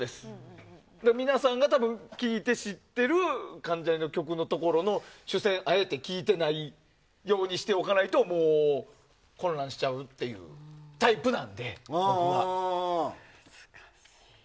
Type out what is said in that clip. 皆さんが聴いて知っている関ジャニの主旋をあえて聴いていないようにしておかないと混乱しちゃうタイプなんで、僕は。